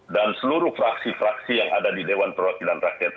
dan seluruh fraksi fraksi yang ada di dewan perwakilan rakyat